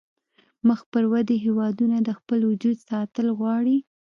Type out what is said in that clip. مخ پر ودې هیوادونه د خپل وجود ساتل غواړي